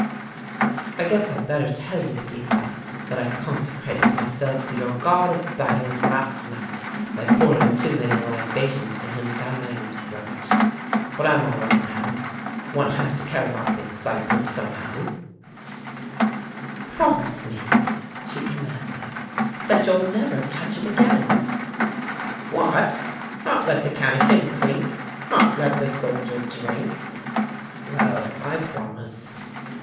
"I guess I'd better tell you, Editha, that I consecrated myself to your god of battles last night by pouring too many libations to him down my own throat. But I'm all right, now. One has to carry off the excitement, somehow." "Promise me," she commanded, "that you'll never touch it again!" "What! Not let the cannikin clink? Not let the soldier drink? Well, I promise."